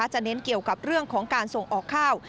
เน้นเกี่ยวกับเรื่องของการส่งออกข้าว